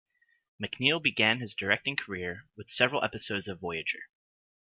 McNeill began his directing career with several episodes of "Voyager".